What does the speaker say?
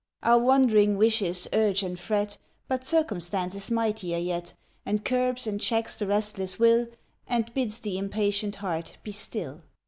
Our wandering wishes urge and fret, But circumstance is mightier yet, And curbs and checks the restless will, And bids the impatient heart be still.